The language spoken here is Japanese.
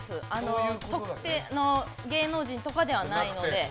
特定の芸能人とかではないので。